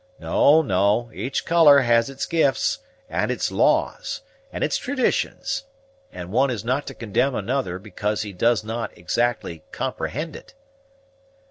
No, no; each color has its gifts, and its laws, and its traditions; and one is not to condemn another because he does not exactly comprehend it."